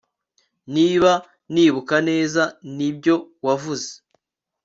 Niba nibuka neza nibyo wavuze